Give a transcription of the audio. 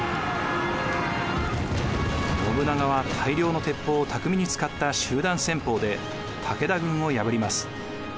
信長は大量の鉄砲を巧みに使った集団戦法で武田軍を破ります。